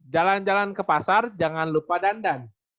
jalan jalan ke pasar jangan lupa dandan